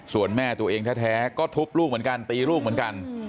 ส่วนแม่ตัวเองแท้ก็ทุบลูกเหมือนกันตีลูกเหมือนกัน